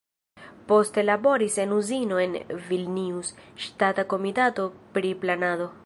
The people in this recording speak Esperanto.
Poste laboris en uzino en Vilnius, ŝtata komitato pri planado.